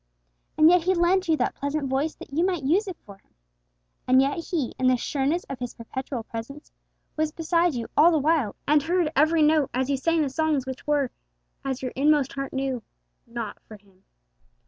And yet He lent you that pleasant voice that you might use it for Him. And yet He, in the sureness of His perpetual presence, was beside you all the while, and heard every note as you sang the songs which were, as your inmost heart knew, not for Him.